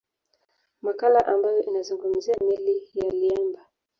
Makala ambayo inazungumzia meli ya Liemba